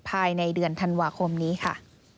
ภายในเดือนธันวาคมนี้ค่ะ